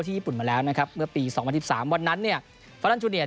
ที่ญี่ปุ่นมาแล้วนะครับเมื่อปีสองพันที่สามวันนั้นเนี่ยฟัลลันท์จูเนียร์